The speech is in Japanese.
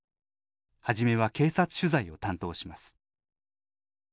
初めは警察取材を担当します。